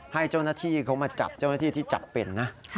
ให้เจ้าหน้าที่เขามาจับเจ้าหน้าที่ที่จับเป็นนะ